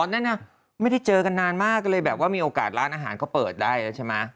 นั่นน่ะไม่ได้เจอกันนานมากเลยแบบว่ามีโอกาสร้านอาหารเขาเปิดได้แล้วใช่ไหม